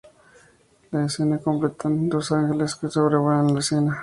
La escena la completan dos ángeles que sobrevuelan la escena.